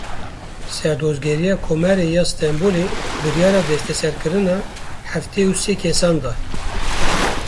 Serdozgeriya Komarê ya Stenbolê biryara desteserkirina heftê û sê kesan da.